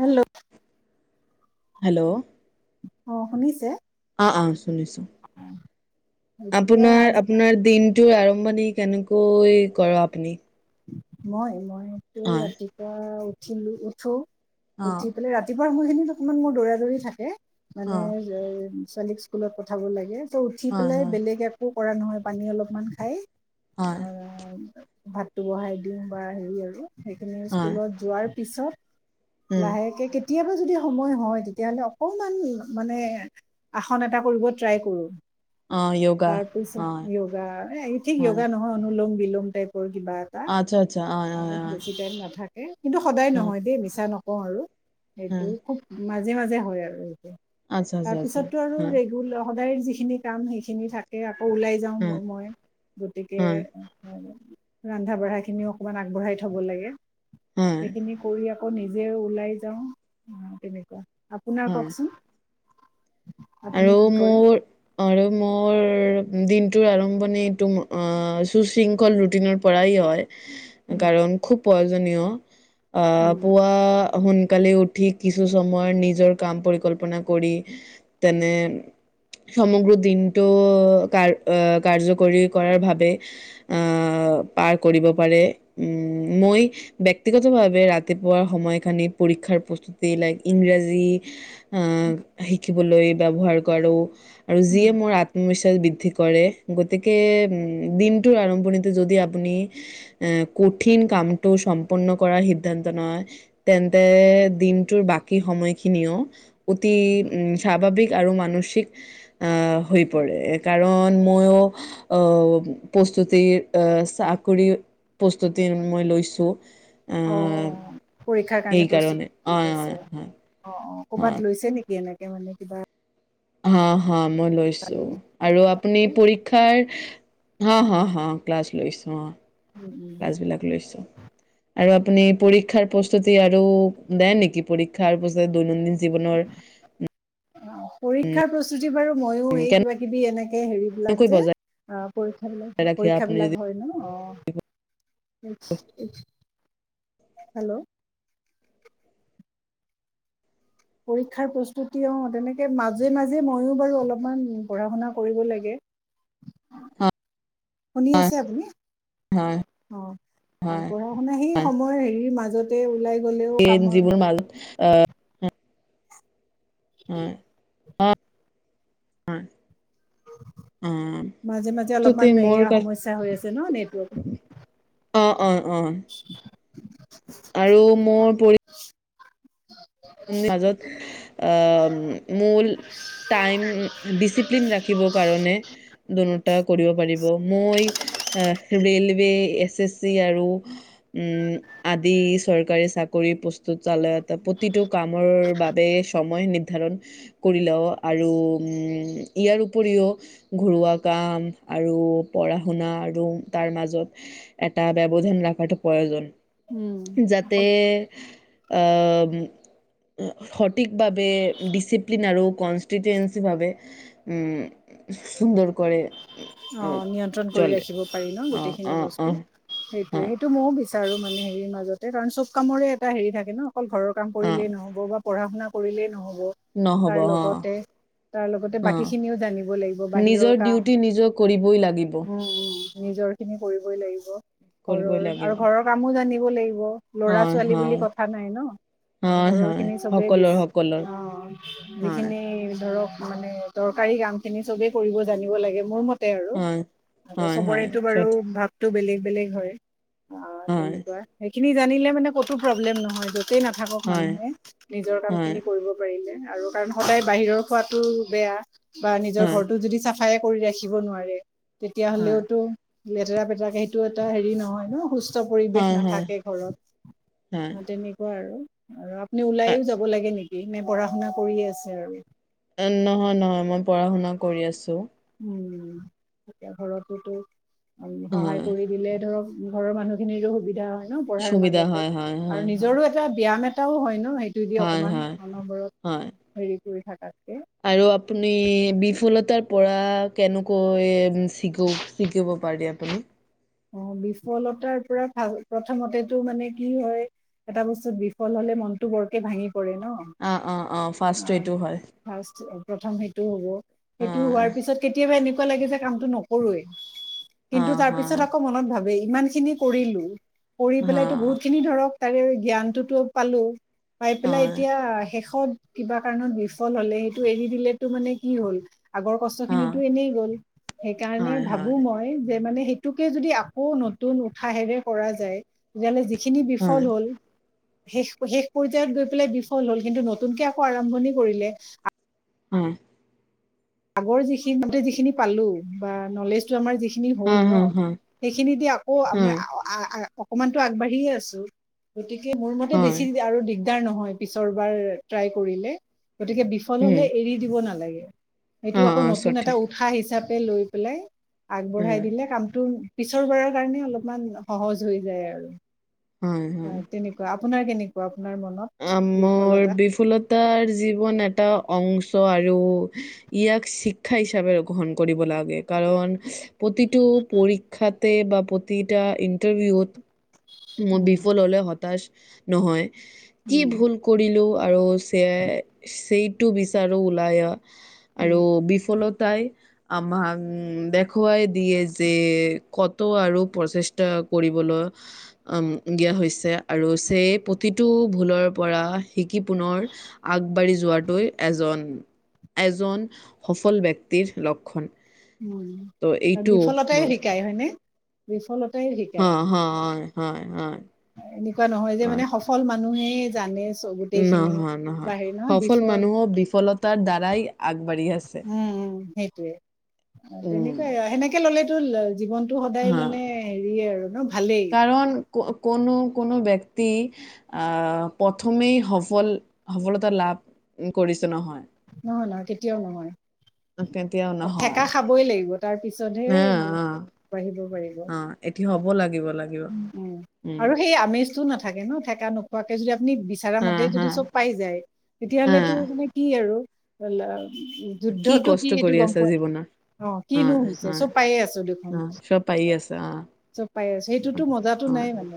Hello, hello. অহ, শুনিছে? অ অ। শুনিছো, এতিয়া আপোনাৰ আজি আপোনাৰ দিন টো আৰম্ভণি কেনেকৈ কৰ আপুনি? মই, মই মোতকৈ হয় ৰাতিপুৱা উঠ ঠিলো উঠো। অ উঠি পেলাই ৰাতি ৰাতিপুৱাৰ সময়খিনিত অকমান মোৰ দৌৰা- দৌৰি থাকে। অ মালে [unintelligible] ছোৱালীক স্কুলত পঠাব লাগে। শুই উঠি হয় পেলায় হয় বেলেগ একো কৰা নহয় পানী অলপমান খাই হয় [inaudible] ভাতটো বঢ়াই সোমবাৰে হেৰি আৰু। সেইখিনি হয় স্কুলত যোৱাৰ পিছত উম লাহেকে কেত কেতিয়াবা যদি সময় হয় তেতিয়াহ'লে অকণমান মানে, আসন এটা কৰিব ট্ৰাই কৰোঁ। অ য়োগা তাৰপিছত হয় য়োগা, ঠিক হয় য়োগা নহয় অনুুলম [unintelligible] কৈ কিবা এটা বেছি টাইম [unintelligible] নাথাকে কিন্তু সদায় হয় নহয় দেই মিছা ন ক আৰু সেইটো হয় খুব ইমা মাজে মাজে হয় আৰু। আচ্ছা তাৰ আচ্ছা আচ্ছা হয় পিছতটো আৰু ৰেগুল সদায় যিখিনি কাম সেইখিনি থাকে আ ওলাই যাওঁ হয় মই, গতিকে হয় ৰান্ধা বঢ়া খিনিও অকণমান আগবঢ়াই থ'ব লাগে। হয় সেইখিনি কৰি আ আকৌ নিজে ওলাই যাওঁ, অ' তেনেকুৱা। আপোনাৰ হয় কওঁকচোন? আৰু মোৰ আৰু মোৰ দিনটোৰ আৰম্ভণি এইটো সুশৃংখল ৰুটিনৰ পৰাই হয়। কাৰণ খুব [unintelligible] অ' পুৱা সোনকালে উঠি কিছু সময় নিজৰ কাম পৰিকল্পনা কৰি তেনে সমগ্ৰ দিনটো কাৰ আহ কাৰ্যকৰী কৰাৰ ভাৱে আহ পাৰ কৰিব পাৰে উম মই ব্যক্তিগতভাৱে ৰাতিপুৱাৰ সময়খিনি পৰীক্ষাৰ প্ৰস্তুতি লাইক ইংৰাজী উম শিকিবলৈ ব্যৱহাৰ কৰোঁ আৰু যিয়ে মোৰ আত্মবিশ্বাস বৃদ্ধি কৰে গতিকে উ দিনটোৰ আৰম্ভণিতে যদি আপুনি এ কঠিন কামটো সম্পন্ন কৰাৰ সিদ্ধান্ত নহয় তেন্তে দিনটোৰ বাকী সময়খিনিও অতি উ স্বাভাৱিক আৰু মানসিক আহ হৈ পৰে, কাৰণ মই আহ প্ৰস্তুতিৰ আহ চাকৰি প্ৰস্তুতি মই লৈছো অ' অ' পৰীক্ষাৰ কাৰণে সেইকাৰণে প্ৰস্তুতি অ আছে অ' অ'। হা ক'বাত লৈছে নেকি? কেনেকে মানে কিবা অ', হ'ল। মই লৈছো আৰু আপুনি পৰীক্ষাৰ অ' হ, হ ক্লাছ লৈছো। অ'। উম উম ক্লাছ বিলাক লৈছো। আৰু আপুনি পৰীক্ষাৰ প্ৰস্তুতি আৰু দিয়ে নেকি? পৰীক্ষাৰ প্ৰস্তুতি দৈনন্দিন জীৱনৰ অ' পৰীক্ষাৰ প্ৰস্তুতি বাৰু ময়ো উম, এই কিবা কিবি এনেকে হেৰিবলাক কেনেকৈ যে বজাই আহ পৰীক্ষা বিলাক ৰাখে পৰীক্ষা আপুনি যদি বিলাক হয় ন। অ'। হেল্লো'। পৰীক্ষাৰ প্ৰস্তুতি অ' তেনেকে মাজে মাজে ময়ো বাৰু অলপমান পঢ়া- শুনা কৰিব লাগে। হয় শুনি আছে আপুনি হয় অ' হয় হয় পঢ়া শুনা সেই হয় সময় হেৰিৰ মাজতে ওলাই গ'লেও কামৰ জীৱনৰ নাই। মাজত হয়। অ', হয়। মাজে মাজে প্ৰস্তুতি অলপমান মোৰ এয়া কা সমস্যা হৈ আছে ন নেটৱৰ্কৰ। অ'। অ', অ' আৰু মোৰ পৰি [unintelligible] মাজত অ' মূল টাইম ডিচিপ্লিন ৰাখিব কাৰণে [inaudible] কৰিব পাৰিব। এই এচে চি আৰু আদি চৰকাৰী চাকৰিৰ প্ৰস্তুত। [inaudible] প্ৰতিটো কামৰ বাবে সময় নিৰ্ধাৰণ কৰিলেও আৰু উ'ম ইয়াৰ উপৰিও ঘৰুৱা কাম আৰু পঢ়া শুনা আৰু তাৰ মাজত এটা ব্যৱধান ৰাখাটো প্ৰয়োজন। উম অকল যাতে। আ', উ'ম। সঠিকভাৱে ডিচিপ্লিন আৰু কনষ্টিটেসি ভাবে উম সুন্দৰ কৰে। অ' নিয়ন্ত্ৰণ কৰি ৰাখিব পাৰি ন অঁ গোটেইখিনি অঁ বস্তু। অঁ সেইটোয়ে অঁ সেইটো ময় বি চাৰো। মানে হেৰিৰ মাজতে কাৰণ চব কামৰে এটা হেৰি থাকে ন। অকল ঘৰৰ কাম অঁ কৰিলেই নহব বা পঢ়া শুনা কৰিলেই নহ'ব নহ'ব তাৰ অঁ লগতে তাৰ লগতে অঁ বাকী খিনিও জানিব লাগিব নিজৰ বাহিৰৰ কাম। ডিউটি নিজৰ কৰিবই লাগিব। উম নিজৰ খিনি কৰিবই লাগিব। কৰিবই ঘৰৰ আৰু লাগিব ঘৰৰ কামো জানিব দিব লাগিব। লৰা হয় ছোৱালী বুলি হয় কথা নাই ন। অ' হয় ঘৰৰ হয় খিনি চবে সকলৰ বেছি সকলৰ অ' হয় যিখিনি ধৰক। মানে দৰকাৰী কাম খিনি চবে কৰিব জানিব লাগে। মোৰ মতে হয় আৰুতে হয় হয় চবৰেটো বাৰু সঠিক ভাব টো বেলেগ-বেলেগ হয়। অ হয় তেনেকুৱা সেই নি জানিলে মানে কতো প্ৰব্লেম নহয় য'ত তেই নাথাকক হয় মানুহে নিজৰ কাম হয় খিনি কৰিব পাৰিলে। আৰু কাৰণ সদায় বাহিৰৰ খোৱাটো বেয়া। বা নিজৰ হয় ঘৰটো যদি চাফ সহায় কৰি ৰাখি। দিব নোৱাৰে। তেতিয়া হয় হ'লেওতো। লেতেৰা পেতেৰাকে সেইটো এটা হেৰি নহয় ন'। সুচ চব পৰিৱেশ হয় হয় নাথাকে ঘৰত। হয় আ' তেনেকুৱা আৰু। আৰু নে আ- ওলাইয়ো যাব লাগে নে ইনে পঢ়া শুনা কৰিয়ে আছে আৰু। নহয় নহয় মই পঢ়া শুনা কৰি আছোঁ উম, এতিয়া ঘৰটোতো। সহায় হয়, কৰি দিলে ধৰক। ঘৰৰ মানুহখিনিৰো সুবিধা হয়। ন', পঢ়াৰ সুবিধা মাজতে হয়, হয়, হয়, আৰু হয়। নিজৰো এটা ব্যায়াম এটা তেওঁ হয় ন। তেওঁ সেইটো দি হয়, অকমান হয়, অনবৰত হয়। হেৰি। কৰি থাকাক। আৰু আপুনি বিফুলতাৰ। পৰা কেনুকৈ চিকু-চিকিব পাৰি আপুনি। অ, বিফলতাৰ পৰা ভাল। প্ৰথমতেটো মানে কি হয় এটা বস্তুত বিফল হলে মনটো বৰকে ভাঙি পৰে অ', অ', অ', ন'। ফাৰ্ষ্ট আ' এইটো হয়। ফাৰ্ষ্ট প্ৰথম সেই টো হ'ব। সেইটো অ', হোৱাৰ পিছত কেতিয়াবা এদিন কুৱা লাগে যে কামটো নকৰোৱেই। কিন্তু অ', তাৰ পিছত হয়। আকৌ মনত ভাবে ইমানখিনি কৰিলোঁ। কৰি পেলাইতো অ', বহুতখিনি ধৰক। তাৰে জ্ঞানটোতো পালো। পাই পেলাই হয়, এতিয়া শেষত। কিবা কাৰণত বিফল হলে সেইটো এৰি দিলেতো মানে কি হ'ল। আগৰ কষ্টখিনিতো অ', এনেই গ'ল সেইকাৰণে হয়, ভাবো হয়, মই। যে মানে সেইটোক। কে যদি আকৌ নতুন উৎথাহেৰে কৰা যায় তেতিয়াহ'লে যি চিন্নি হয়, হয়। বিফল হ'ল। শেষ শেষ পৰ্যায়ত গৈ পেলাই বিফল হল কিন্তু নতুনকে আকৌ আৰম্ভণি কৰিলে। উ, আগৰ যিখিনিটো যিখিনি পালো বা নলেজটো আমাৰ যিখিনি খিনি হল ন হুম, হুম, সেইখিনি দি আকৌ হুম, আমাৰ অকমানতো আগবাঢ়িয়ে আছো গতিকে কি মোৰ মতে হয়, বেছিদিবি আৰু দিম দিগদাৰ নহয় পিছৰবাৰ ট্ৰাই কৰিলে। গতিকে বিফল উম, হলে এৰি দিব নালাগে। এইটো অ', আকৌ অ', নতুন এটা সঠিক। উৎসাহ হিচাপে এ লৈ পেলাই উম, আগবঢ়াই দিলে কামটো। পিছৰ বাৰাৰ কাৰণে অলপমান সহজ হৈ যায় আৰু। অ, তেনেকুৱা। আপোনাৰ কেনেকুৱা। আপোনাৰ মনত আ মোৰ বিফলতা বিফুলতাৰ জীৱন এটা অংশ ত আৰু ইয়াক শিক্ষা হিচাপে গ্ৰহণ কৰিব লাগে কাৰণ প্ৰতিটো পৰীক্ষাতে বা প্ৰতিটা ইণ্টাৰভিউত মই উম বিফল হলে হতাশ নহয়। কি উম ভুল কৰিলো আৰু চিয়াৰ সেইটো বিচাৰোঁ ওলাই উম আৰু বিফলত তাই আমাক উম দেখুৱাই দিয়ে যে কত আৰু প্ৰচেষ্টা কৰিবলৈ উম দিয়া হৈছে আৰু সেই প্ৰতিটো ভুলৰ পৰা শিকি পুনৰ আগবাঢ়ি যোৱাটোৱে এজন এজন সফল ব্যক্তিৰ লক্ষণ। মই ত' এইটো বিফলতাই শিকায় হয়নে। বিফলতা অ, হ হয়। অ, অ এনেকুৱা নহয় যে মানে সফল মানুহ মানুহে জানে। চ গোটেইখিনি নহয় বা নহয়, হেৰি সফল বিফৰ মানুহৰ বিফলতাৰ দ্বাৰাই আগবাঢ়ি আছে উম উম সেইটোয়ে উম। তেনেকুৱাই সেনেকে ললেতো জীৱনটো এইটো সদায় হা মানে হেৰিয়ে আৰু ন ভালেই কাৰণ কোনো কোনো ব্যক্তি অ' প্ৰথমেই সফল সফলতা লাভ কৰিছে নহয়। নহয় নহয় কেতিয়াও নহয়। কেতিয়াও থেকা নহয় খাবই লাগিব তাৰ পিছতহে হা মানুহ অ আগবাঢ়িব পাৰিব। অ এটি হ'ব লাগিব লাগিব। উ উম উম আৰু সেই আমেজটো নথ থাকে ন থেকা নোখোৱাকে যদি আপুনি বিচৰা হা মতে হা যদি চব পাই যায় হা তেতিয়াহ'লে তো মানে কি আৰু অল [unintelligible] যুদ্ধতো কি কষ্ট এইটো কৰি গ'ম আছা পোৱা? জীৱনত অ' কিনো হৈছে চব পায়ে আছো দেখোন অ চব পাৰি আছা অ চব পাই আছো। সেইটো তো মজা তো অ নাই মানে,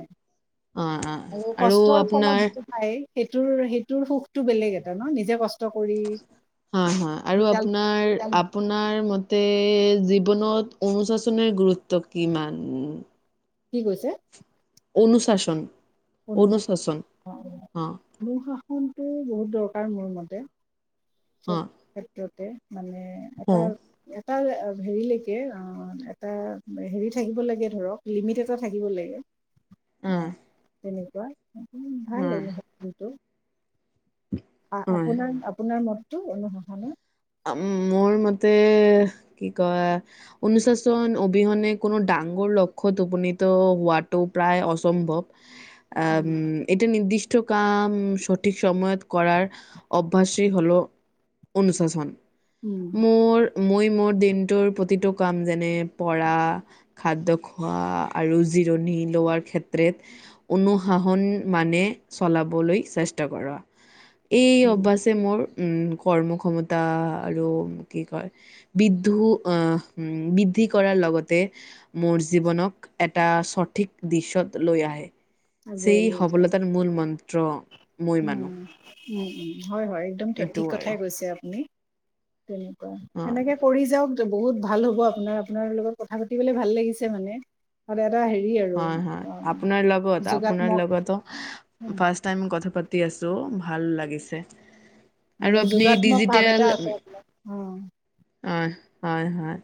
অ অ আৰু কষ্টৰ ফলত যিটো পাই সেইটোৰ সেইতোৰ সুখ বেলেগ এটা ন। নিজে কষ্ট কৰি হয়, হয় আৰু ৰিজাল্ট। আপোনাৰ আপোনাৰ মত তে জীৱনত অনুশাসনৰ গুৰুত্ব কিমান? কি কৈছে? অনুশাসন অনুসাশ অনুশাসন অ, অনুশাসনটো বহুত দৰকাৰ। কাৰ। মোৰ মতে চব অ, ক্ষেত্ৰতে। মানে অ, এটা, এটাৰ হেৰিলৈকে অ' এটা হেৰি থাকিব লাগে ধৰক লিমিট এটা থাকিব লাগে। অ'। তেনেকুৱা হয়, ভালতটো [unintelligible] হয়, আপোনাৰ আপোনাৰ ম টো অনুশাসনে উম মোৰ মতে কি কয় অনুশাসন অবিহনে কোনো ডাঙৰ লক্ষ্য উপনীত হোৱাটো প্ৰায় অসম্ভৱ। উম এটা নিৰ্দিষ্ট টো কাম সঠিক সময়ত কৰাৰ অভ্যাসেই হ'ল অনুশাসন। উম মোৰ মই মোৰ দিনটোৰ প্ৰতিটো কাম যেনে পঢ়া, খাদ্য খোৱা, আৰু জিৰণি লোৱাৰ ক্ষেত্ৰত অনুশাসন মানে চলাবলৈ চেষ্টা কৰা। এই অভ্যাসে মোৰ উ কৰ্মক্ষমতা। আৰু কি কয়, বিদ্ধু আহ বৃদ্ধি কৰাৰ লগতে, মোৰ জীৱনক এটা সঠিক দিশত লৈ আহে। সেই সফলতাৰ মূল মন্ত্ৰ। মই মানো উম-উম। উ। হয়, হয় একদম এইটো ঠিক আৰু কথাই কৈছে আপুনি। তেনেকুৱা অ সেনেকে পৰি যাওক। বহুত ভাল হ'ব আপোনাৰ, আপোনাৰ লগত কথা পাতিবলে ভাল লাগিছে মানে। এটা হেৰি আৰু হয়, হয় অ', আপোনাৰ লগত আপোনাৰ যোগাত্মক লগতো উম, ফাষ্ট টাইম কথা পাতো। পাতি আছো, ভাল লাগিছে। আৰু মানে আপুনি যোগাত্মক ভাৱ এটা আছে আপোনাৰ অ' অ' হয়-হয়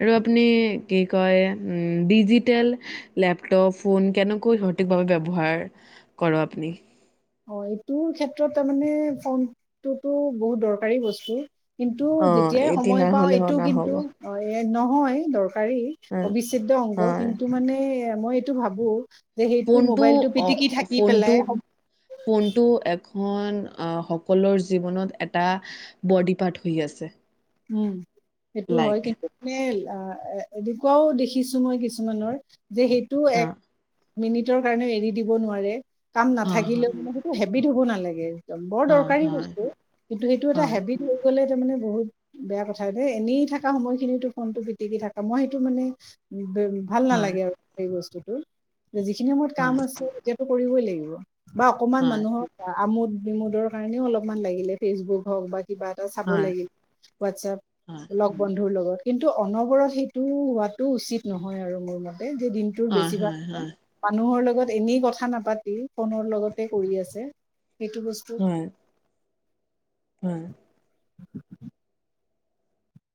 আৰু আপুনি কি কয় ডিজিটেল লেপটপ, ফোন কেনেকৈ সঠিকভাৱে ব্যৱহাৰ কৰে আপুনি? অ' এইটোৰ ক্ষেত্ৰত তাৰমানে ফোনটোতো বহুত দৰকাৰী বস্তু। কিন্তু অ যেতিয়াই এটি সময় পাওঁ, নহ'লে এইটো নহ'ব কিন্তু অ অতি হয়। নহয় দৰকাৰ। পাৰি অবিচ্ছেদ্য অংগ হয় কিন্তু মানে। মই এইটো ভাবো। যে সেইটো ফোনটো মোবাইলটো অ পিটিকি থাকি ফোনটো পেলাই। ফোনটো এপ। খন আহ সকলৰ জীৱনত এটা বডি পাৰ্ট হৈ আছে। উম সেইটো হয় লাইক কিন্তু ফেল। অহ এ এনেকুৱাও দেখিছো মই কিছুমানৰ। যে সেইটো হা এক। মিনিটৰ কাৰণেও এৰি দিব নোৱাৰে। কাম হা হা নাথাকিলেও মোৰ টো হেঁপাহ। ভাবি থব নালাগে। বৰ হয় দৰকাৰী হয় বস্তু কিন্তু সেইটো এটা হয় হেবিট হৈ গ'লে। এতিয়া মানে বহুত। বেয়া কথা দেই, এনেই থকা সময়খিনি ফোনটো পিটিকি থাকা, মই সেইটো মানে। ভাল হয় নালাগে আৰু সেই বস্তু। উম। যিখিনি সময়ত কাম আছে এতিয়াতো। কৰিবই লাগিব। বা অকমান হয় মানুহৰ। আমোদ বিমোদৰ কাৰণেও, অলপমান লাগিলে ফেচবুক হওঁক বা। কিবা এটা চাব হয় লাগিল। হয় হোৱাটছপ লগ বন্ধুৰ লগত। কিন্তু অনবৰত সেইটো হোৱাটো উচিত নহয় আৰু মোৰ মতে। যে দিনটোৰ হয় হয় হয় বেছিভাগ মানুহৰ লগত ত এনেই কথা নাপাতি ফোনৰ লগতে কৰি আছে এইটো বস্তু হয় হয়